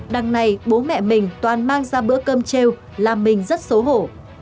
đằng này bố mẹ mình toàn mang ra bữa cơm treo làm mình rất xấu hổ